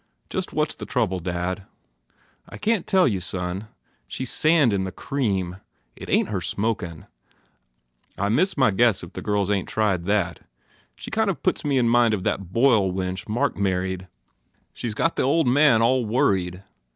Just what s the trouble, dad?" "I can t tell you, son. She s sand in the cream. It ain t her smokin . I miss my guess if the girls ain t tried that. She kind of puts me in mind of that Boyle wench Mark married. She s got the old man all worried.